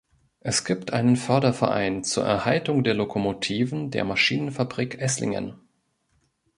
Es gibt einen "Förderverein zur Erhaltung der Lokomotiven der Maschinenfabrik Esslingen".